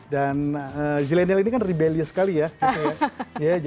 dan zilenial ini kan rebelia sekali ya